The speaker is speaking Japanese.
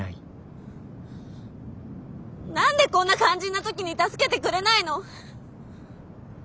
何でこんな肝心な時に助けてくれないの？